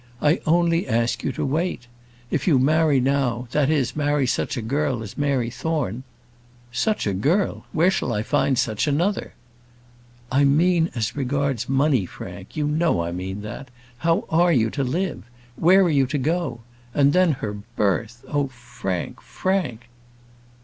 I only ask you to wait. If you marry now, that is, marry such a girl as Mary Thorne " "Such a girl! Where shall I find such another?" "I mean as regards money, Frank; you know I mean that; how are you to live? Where are you to go? And then, her birth. Oh, Frank, Frank!"